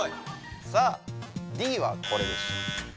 さあＤはこれでした。